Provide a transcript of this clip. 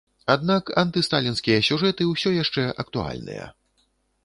Аднак антысталінскія сюжэты ўсё яшчэ актуальныя.